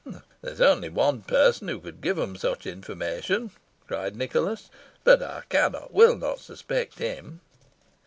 "There is only one person who could give them such information," cried Nicholas; "but I cannot, will not suspect him."